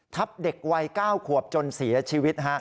ทับเด็กวัย๙ขวบจนเสียชีวิต